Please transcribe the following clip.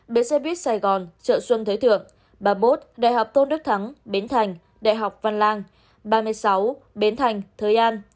hai mươi tám bến xe buýt sài gòn trợ xuân thế thượng ba mươi một đại học tôn đức thắng bến thành đại học văn lang ba mươi sáu bến thành thới an